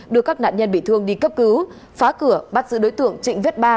đưa các nạn nhân bị thương đi cấp cứu phá cửa bắt giữ đối tượng trịnh viết ba